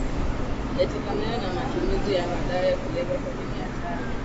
yatokanayo na matumizi ya madawa ya kulevya kwani ni hatari